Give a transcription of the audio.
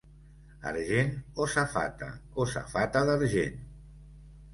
Argent o safata, o safata d'argent.